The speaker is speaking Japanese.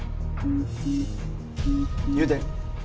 入電。